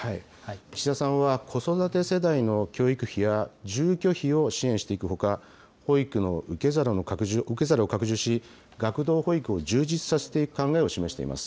岸田さんは子育て世代の教育費や住居費を支援していくほか、保育の受け皿を拡充し、学童保育を充実させていく考えを示しています。